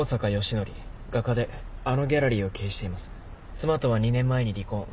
妻とは２年前に離婚。